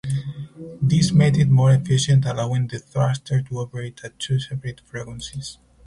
This made it more efficient allowing the thruster to operate at two separate frequencies.